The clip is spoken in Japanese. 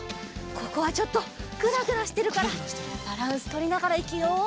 ここはちょっとぐらぐらしてるからバランスとりながらいくよ！